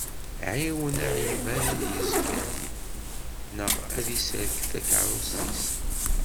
Ɛiwen aɛiban ad yezger, neɣ ad iserked takerrust-is.